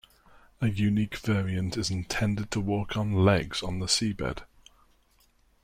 A unique variant is intended to walk on legs on the seabed.